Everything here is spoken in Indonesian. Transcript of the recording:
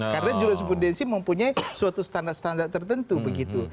karena jurisprudensi mempunyai suatu standar standar tertentu begitu